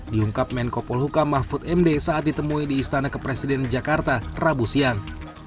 diungkap menko polhuka mahfud md saat ditemui di istana kepresiden jakarta rabu siang